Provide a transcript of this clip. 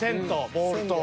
ボールと。